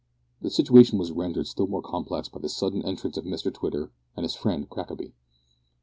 The situation was rendered still more complex by the sudden entrance of Mr Twitter and his friend Crackaby.